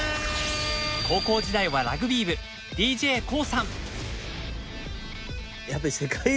高校時代はラグビー部ＤＪＫＯＯさん。